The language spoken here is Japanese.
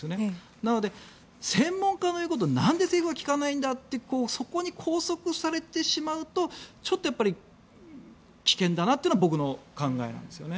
なので、専門家の言うことをなんで政府は聞かないんだというそこに拘束されてしまうとちょっと危険だなというのが僕の考えなんですよね。